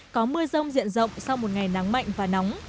có mưa rông diện rộng sau một ngày nắng mạnh và nóng